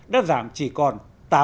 đã giảm chỉ còn tám ba mươi tám